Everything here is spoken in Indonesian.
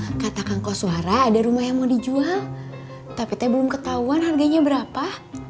saya katakan kau suara ada rumah yang mau dijual tapi teh belum ketahuan harganya berapa